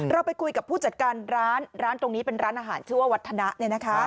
เราไปคุยกับผู้จัดการร้านร้านตรงนี้เป็นร้านอาหารชื่อว่าวัฒนะ